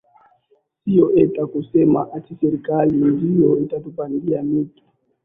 sio ate kusema ati serikali ndio itatupandia miti